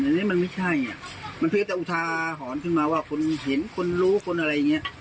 อันนี้มันไม่ใช่อ่ะมันเพื่อจะอุทาหรณ์ขึ้นมาว่าคนเห็นคนรู้คนอะไรอย่างเงี้ย